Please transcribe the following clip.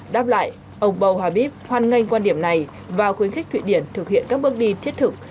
đáp lại ông buhabib hoan nghênh quan điểm này và khuyến khích thụy điển thực hiện các bước đi thiết thực